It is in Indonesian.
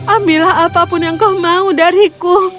ambillah apapun yang kau mau dariku